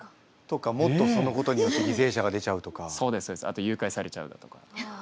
あと誘拐されちゃうだとか。